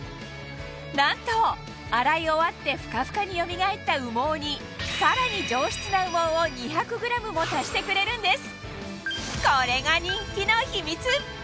なんと洗い終わってフカフカによみがえった羽毛にさらに上質な羽毛を２００ｇも足してくれるんです